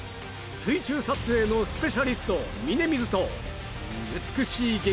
水中撮影のスペシャリスト峯水と美しい激